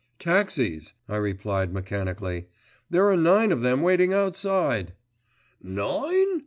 "Taxis," I replied mechanically, "There are nine of them waiting outside." "Nine?"